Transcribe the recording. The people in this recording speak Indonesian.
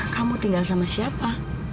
kamu tinggal sama siapa